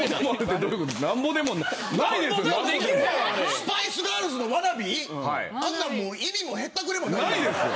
スパイス・ガールズのワナビーあんなの意味もへったくれもない。